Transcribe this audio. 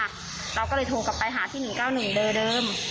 เราก็เลยโทรกลับไปหาที่๑๙๑เบอร์เดิม